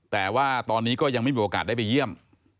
แต่ว่าตอนนี้ก็ยังไม่มีโอกาสได้ไปเยี่ยม